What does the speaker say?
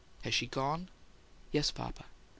Has she gone?" "Yes, papa."